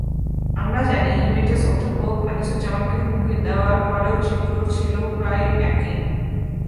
আমরা জানি, ইমেরিটাস অধ্যাপক আনিসুজ্জামানকে হুমকি দেওয়ার পরের চিত্রও ছিল প্রায় একই।